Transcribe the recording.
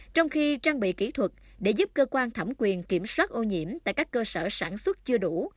trong khi trang bị kỹ thuật để giúp cơ quan thẩm quyền kiểm soát ô nhiễm tại các cơ sở sản xuất chưa đủ